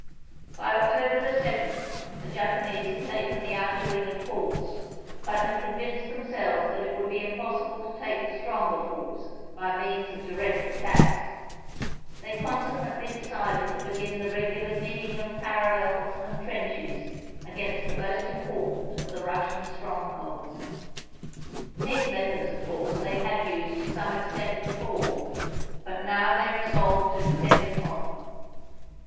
DBy October 7th the Japanese had taken the outer ring of forts, but had convinced themselves that it would be impossible to take the stronger forts by means of direct attacks. They consequently de cided to begin the regular digging of parallels and trenches against the most important of the Russian strongholds. These methods, of course, they had used to some extent before, but now they resolved to depend upon them.